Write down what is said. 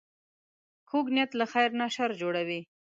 کوږ نیت له خیر نه شر جوړوي